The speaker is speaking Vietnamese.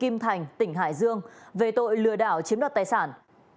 tại thôn minh thành tỉnh hải dương về tội lừa đảo chiếm đoạt tài sản